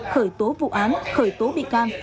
khởi tố vụ án khởi tố bị can